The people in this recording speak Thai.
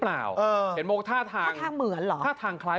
เปล่าเออเห็นโมคท่าทางท่าทางเหมือนเหรอท่าทางคล้าย